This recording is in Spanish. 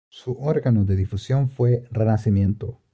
Su órgano de difusión fue "Renacimiento".